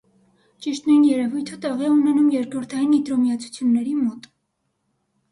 Ճիշտ նույն երևույթը տեղի է ունենում երկրորդային նիտրոմիացությունների մոտ։